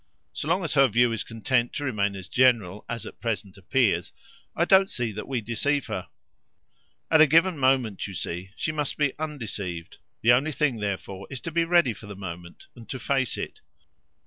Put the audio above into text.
So long as her view is content to remain as general as at present appears I don't see that we deceive her. At a given hour, you see, she must be undeceived: the only thing therefore is to be ready for the hour and to face it.